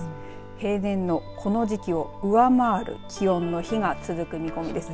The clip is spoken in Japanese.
平年のこの時期を上回る気温の日が続く見込みです。